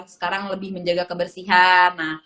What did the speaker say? sekarang lebih menjaga kebersihan